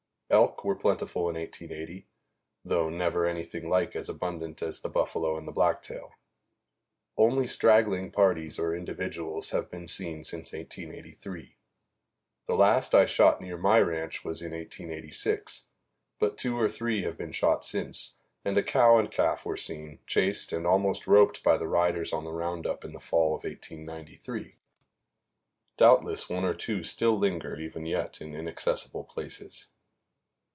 Elk were plentiful in 1880, though never anything like as abundant as the buffalo and the blacktail. Only straggling parties or individuals have been seen since 1883. The last I shot near my ranch was in 1886; but two or three have been shot since, and a cow and calf were seen, chased and almost roped by the riders on the round up in the fall of 1893. Doubtless one or two still linger even yet in inaccessible places.